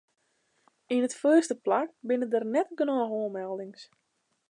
Yn it foarste plak binne der net genôch oanmeldings.